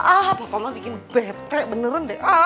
ah papa mah bikin bete beneran deh